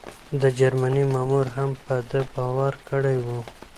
د جرمني مامور هم په ده باور کړی و.